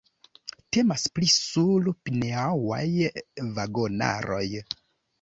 Temas pri sur-pneŭaj vagonaroj.